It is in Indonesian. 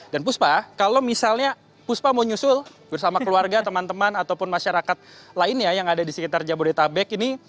dan puspa kalau misalnya puspa mau nyusul bersama keluarga teman teman ataupun masyarakat lainnya yang ada di sekitar jabodetabek ini